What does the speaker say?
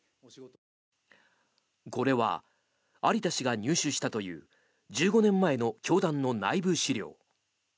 これは有田氏が入手したという１５年前の教団の内部資料。